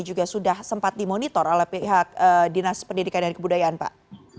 juga sudah sempat dimonitor oleh pihak dinas pendidikan dan kebudayaan pak